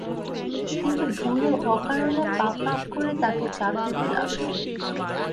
কিন্তু বুড়ো অকারণে পা ফাঁক করে তাঁকে চাপ দিতে লাগল।